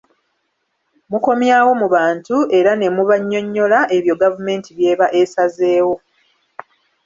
Mukomyawo mu bantu era ne mubannyonnyola ebyo gavumenti by'eba esazeewo.